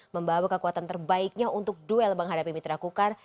membawa kekuatan terbaiknya untuk duel menghadapi mitra kukar